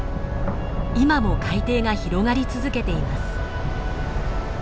今も海底が広がり続けています。